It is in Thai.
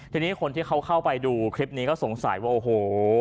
ทีนี้คนที่เขาเข้าไปดูคลิปนี้ก็สงสัยว่าโอ้โห